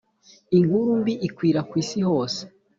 inkuru mbi ikwira kw’isi hose